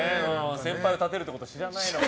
先輩を立てるってことを知らない。